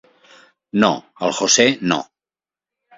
No, el José no.